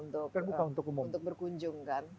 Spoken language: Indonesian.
terbuka untuk umum untuk berkunjung kan